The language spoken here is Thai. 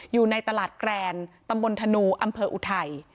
อยู่ในตลาดแกรนตำบลธนูอำเภออุทัย